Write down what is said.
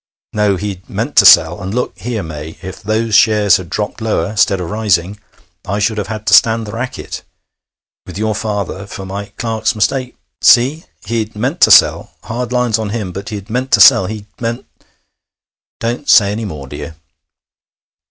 No, he'd meant to sell ... and, look here, May, if those shares had dropped lower ... 'stead of rising ... I should have had to stand the racket ... with your father, for my clerk's mistake.... See?... He'd meant to sell.... Hard lines on him, but he'd meant to sell.... He'd meant ' 'Don't say any more, dear.'